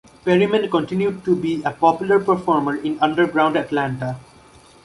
Perryman continued to be a popular performer in Underground Atlanta.